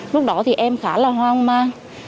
lúc đó thì em khá là hoang mang